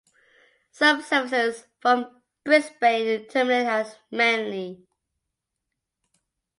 Some services from Brisbane terminate at Manly.